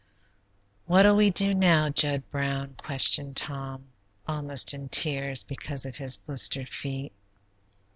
"What'll we do now, Jud Brown?" questioned Tom, almost in tears because of his blistered feet.